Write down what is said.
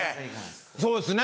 そうですね